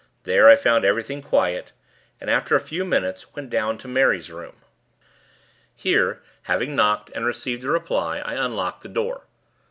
There, I found everything quiet, and, after a few minutes, went down to Mary's room. Here, having knocked, and received a reply, I unlocked the door.